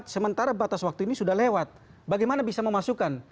sementara batas waktu ini sudah lewat bagaimana bisa memasukkan